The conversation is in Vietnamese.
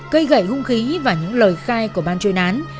cây gậy hung khí và những lời khai của ban chuyên án